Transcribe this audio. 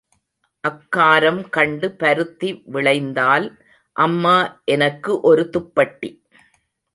அக்காரம் கண்டு பருத்தி விளைந்தால் அம்மா எனக்கு ஒருதுப்பட்டி.